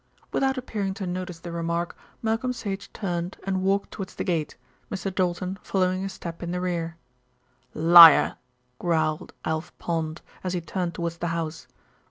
Without appearing to notice the remark, Malcolm Sage turned and walked towards the gate, Mr. Doulton following a step in the rear. "Liar!" growled Alf Pond, as he turned towards the house.